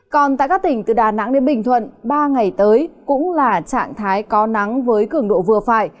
còn tại các tỉnh từ đà nẵng đến bình thuận ba ngày tới cũng là trạng thái có nắng với cường độ vừa phải